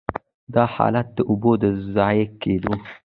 دا حالت د اوبو د ضایع کېدو.